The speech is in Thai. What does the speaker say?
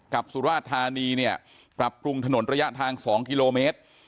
สุราชธานีเนี่ยปรับปรุงถนนระยะทาง๒กิโลเมตร